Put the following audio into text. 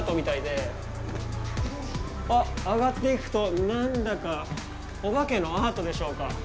あっ、上がっていくと、何だかお化けのアートでしょうか。